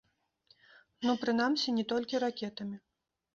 Ну, прынамсі, не толькі ракетамі.